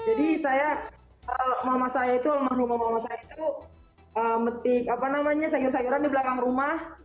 jadi saya mama saya itu rumah rumah mama saya itu metik apa namanya sayuran sayuran di belakang rumah